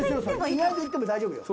意外といっても大丈夫よ。